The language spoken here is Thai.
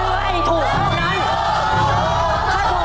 รู้ไหมถูกข้อนั้น